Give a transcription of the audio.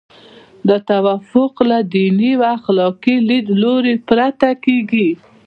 دا توافق له دیني او اخلاقي لیدلوري پرته کیږي.